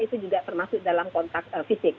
itu juga termasuk dalam kontak fisik